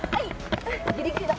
ギリギリだ。